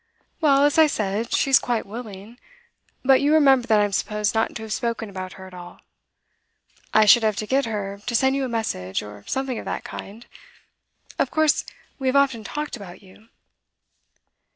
'Well, as I said, she's quite willing. But you remember that I'm supposed not to have spoken about her at all. I should have to get her to send you a message, or something of that kind. Of course, we have often talked about you.